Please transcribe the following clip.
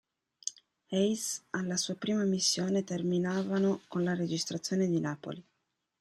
Hays, alla sua prima missione, terminavano con la registrazione di Napoli.